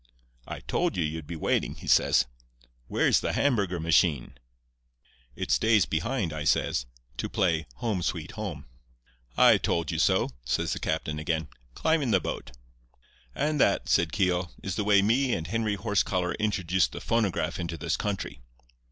"'I told you you'd be waiting,' he says. 'Where's the Hamburger machine?' "'It stays behind,' I says, 'to play "Home, Sweet Home."' "'I told you so,' says the captain again. 'Climb in the boat.' "And that," said Keogh, "is the way me and Henry Horsecollar introduced the phonograph into this country.